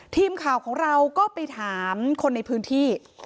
ทีมข่าวของเราก็ไปถามคนในพื้นที่